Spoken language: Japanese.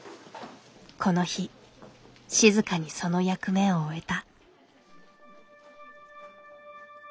この日静かにその役目を終えた。